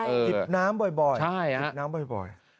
เออใช่ครับ